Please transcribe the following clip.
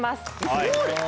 すごい！